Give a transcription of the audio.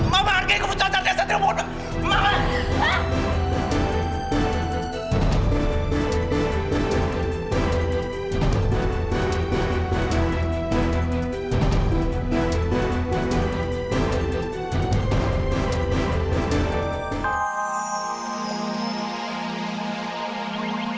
mama hargai keputusan sadria pun